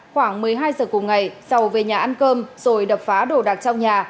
khoảng một mươi hai giờ cùng ngày sau về nhà ăn cơm rồi đập phá đồ đạc trong nhà